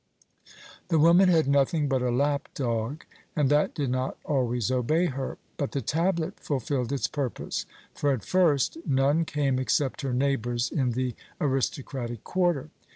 "The woman had nothing but a lap dog, and that did not always obey her. But the tablet fulfilled its purpose; for at first none came except her neighbours in the aristocratic quarter.